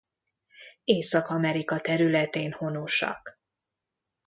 Észak-Amerika területén honosak.